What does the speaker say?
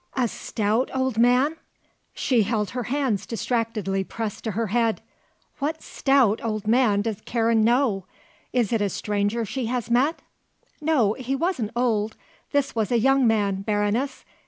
A stout old man?" she held her hands distractedly pressed to her head. "What stout old man does Karen know? Is it a stranger she has met?" "No, he wasn't old. This was a young man, Baroness.